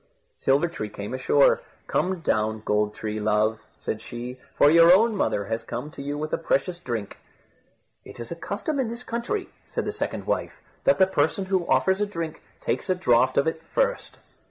Silver tree came ashore. "Come down, Gold tree, love," said she, "for your own mother has come to you with a precious drink." "It is a custom in this country," said the second wife, "that the person who offers a drink takes a draught out of it first."